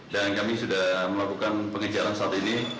dan kami sudah melakukan pengejaran saat ini